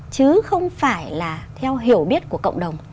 chứ không phải là theo hiểu biết của cộng đồng